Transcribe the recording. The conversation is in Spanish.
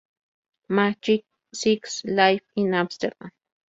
Magik Six: Live in Amsterdam